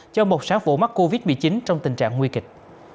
cho một sáng vụ mắc covid một mươi chín trong tình trạng nguy kịch